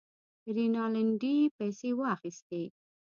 رینالډي پیسې واخیستې.